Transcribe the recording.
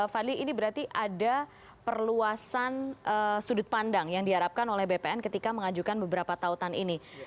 fadli ini berarti ada perluasan sudut pandang yang diharapkan oleh bpn ketika mengajukan beberapa tautan ini